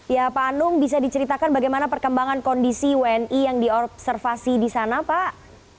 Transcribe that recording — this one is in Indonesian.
ya pak anung bisa diceritakan bagaimana perkembangan kondisi wni yang diobservasi di sana pak